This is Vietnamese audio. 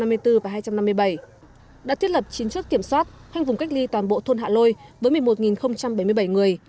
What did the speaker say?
đã thiết lập chín chốt kiểm soát hoành vùng cách ly toàn bộ thôn hạ lôi với một mươi một bảy mươi bảy người